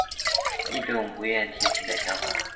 一种不愿提起的想法